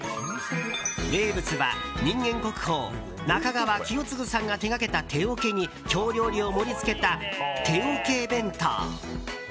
名物は人間国宝・中川清司さんが手がけた、手おけに京料理を盛り付けた、手をけ弁当。